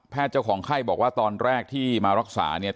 เจ้าของไข้บอกว่าตอนแรกที่มารักษาเนี่ย